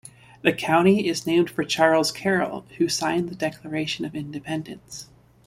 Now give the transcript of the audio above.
The county is named for Charles Carroll who signed the Declaration of Independence.